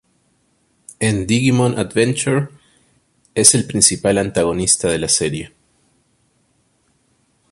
En Digimon Adventure es el principal antagonista de la serie.